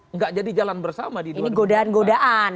enggak jadi jalan bersama di dua ribu dua puluh empat ini godaan godaan